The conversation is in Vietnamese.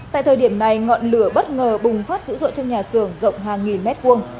tại thời điểm này ngọn lửa bất ngờ bùng phát dữ dội trong nhà xưởng rộng hàng nghìn mét vuông